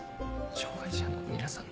障がい者の皆さんの？